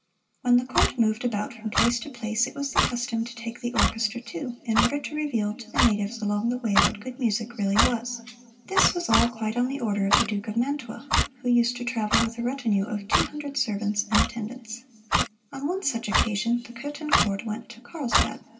When the Court moved about from place to place it was the custom to take the orchestra, too, in order to reveal to the natives along the way what good music really was. This was all quite on the order of the Duke of Mantua, who used to travel with a retinue of two hundred servants and attendants. On one such occasion the Kothen Court went to Carlsbad.